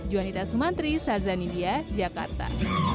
juanita sumantri sarzan india jakarta